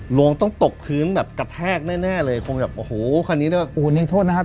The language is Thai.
ลงต้องตกพื้นแบบกระแทกแน่เลยคงแบบโอ้โหคันนี้เรียกว่าโอ้โหนี่โทษนะครับ